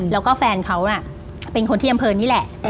แล้วก็แฟนเขาน่ะเป็นคนที่อำเภอนี่แหละ